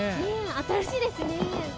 新しいですね。